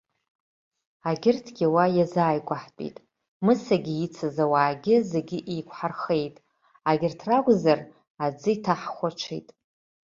Агьырҭгьы уа иазааигәаҳтәит. Мысагьы ицыз ауаагьы зегьы еиқәҳархеит. Агьырҭ ракәзар, аӡы иҭаҳхәаҽит.